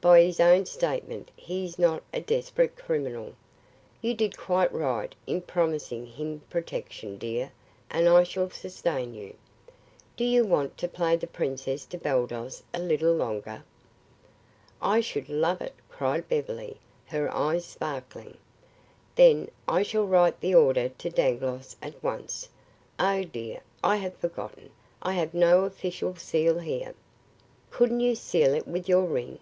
"By his own statement, he is not a desperate criminal. You did quite right in promising him protection, dear, and I shall sustain you. Do you want to play the princess to Baldos a little longer?" "I should love it," cried Beverly, her eyes sparkling. "Then I shall write the order to Dangloss at once. Oh, dear, I have forgotten, I have no official seal here." "Couldn't you seal it with your ring?"